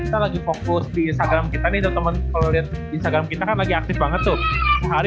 kita lagi fokus di instagram kita nih temen kalau lihat instagram kita kan lagi aktif banget tuh sehari